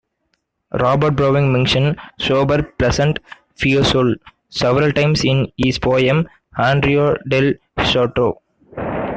Robert Browning mentions "sober pleasant Fiesole" several times in his poem "Andrea Del Sarto".